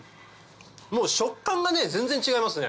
もう食感が全然違いますね。